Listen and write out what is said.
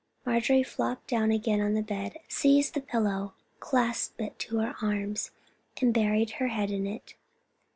Marjorie flopped down again on the bed, seized the pillow, clasped it in her arms, and buried her head in it.